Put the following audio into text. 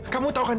kamu tahu kan